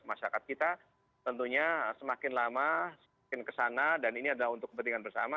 masyarakat kita tentunya semakin lama semakin kesana dan ini adalah untuk kepentingan bersama